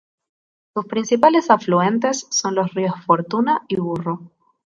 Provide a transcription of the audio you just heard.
Sus principales afluentes son los ríos Fortuna y Burro.